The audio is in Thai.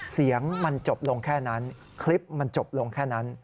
เสียงมันจบลงแค่นั้นคลิปมันจบลงแค่นั้น